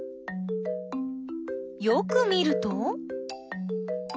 よく見ると。